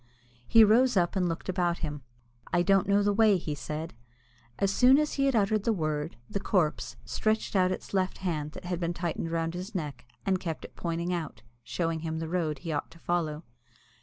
He rose up, and looked about him. "I don't know the way," he said. As soon as he had uttered the word, the corpse stretched out suddenly its left hand that had been tightened round his neck, and kept it pointing out, showing him the road he ought to follow.